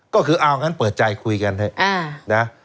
ก็คือเอางั้นเปิดใจคุยกันเถอะนะ